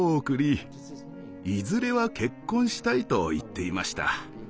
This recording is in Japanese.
「いずれは結婚したい」と言っていました。